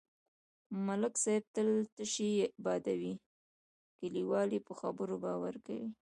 ملک صاحب تل تشې بادوي، کلیوال یې په خبرو باور کوي.